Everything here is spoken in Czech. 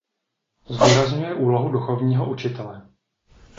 Zdůrazňuje úlohu duchovního učitele.